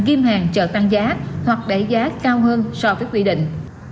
ghim hàng chờ tăng giá hoặc đẩy giá cao hơn so với quy định